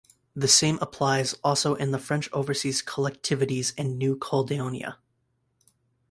The same applies also in the French overseas collectivities and New Caledonia.